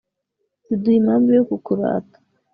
ziduha impamvu yo kukurata